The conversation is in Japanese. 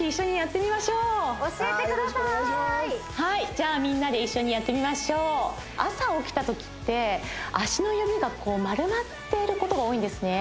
じゃあみんなで一緒にやってみましょう朝起きたときって足の指がこう丸まっていることが多いんですね